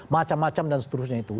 macam macam dan seterusnya itu